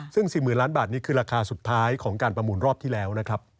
ซึ่ง๔๐๐๐ล้านบาทนี้คือราคาสุดท้ายของการประมูลรอบที่แล้วนะครับ